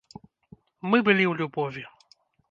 Мы былі ў любові.